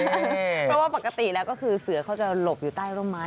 เพราะว่าปกติแล้วก็คือเสือเขาจะหลบอยู่ใต้ร่มไม้